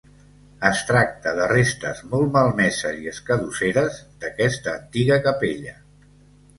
Es tracta de restes molt malmeses i escadusseres d’aquesta antiga capella.